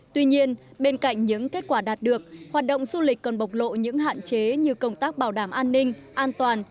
tuy nhiên bên cạnh những kết quả đạt được hoạt động du lịch còn bộc lộ những hạn chế như công tác bảo đảm an ninh an toàn